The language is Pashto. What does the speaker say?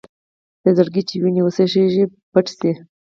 له زړګي چې وينه وڅڅوم بېت شي.